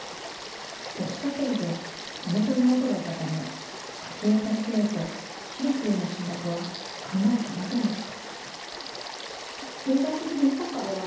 母子家庭で姉と妹がいたため家計を助けようと私立への進学は考えていませんでした。